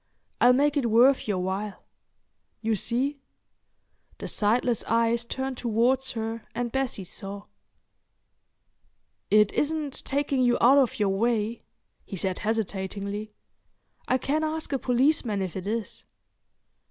I'll make it worth your while. You see." The sightless eyes turned towards her and Bessie saw. "It isn't taking you out of your way?" he said hesitatingly. "I can ask a policeman if it is."